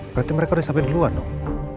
berarti mereka udah sampai di luar dong